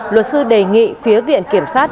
luật sư đề nghị phía viện kiểm sát